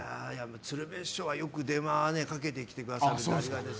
鶴瓶師匠は、よく電話をかけてきてくださるんです。